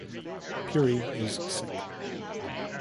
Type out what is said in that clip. Puri is Sikh.